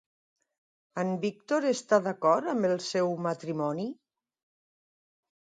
En Víctor està d'acord amb el seu matrimoni?